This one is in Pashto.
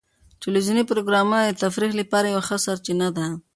ټلویزیوني پروګرامونه د تفریح لپاره یوه ښه سرچینه ده.